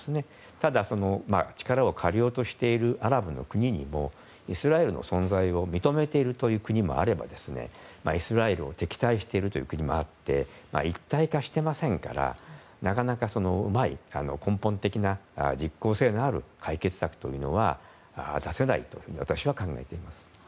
ただ、力を借りようとしているアラブの国にもイスラエルの存在を認めているという国もあればイスラエルを敵対している国もあって一体化していませんからなかなか、うまい根本的な実効性のある解決策というのは出せないと私は考えています。